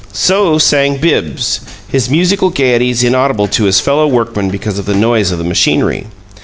So sang Bibbs, his musical gaieties inaudible to his fellow workmen because of the noise of the machinery.